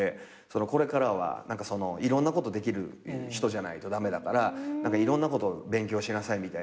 「これからはいろんなことできる人じゃないと駄目だからいろんなこと勉強しなさい」みたいなので。